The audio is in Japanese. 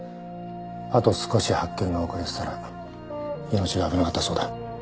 あと少し発見が遅れてたら命が危なかったそうだ。